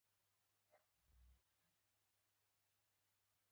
فزیکي تمرین بدن ته ځواک او ذهن ته سکون ورکوي.